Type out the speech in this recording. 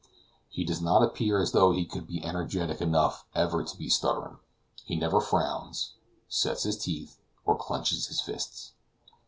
He does not appear as though he could be energetic enough ever to be stubborn; he never frowns, sets his teeth, or clenches his fists.